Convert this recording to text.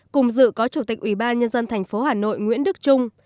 cùng dự có chủ tịch ủy ban nhân dân thành phố hà nội nguyễn đức trung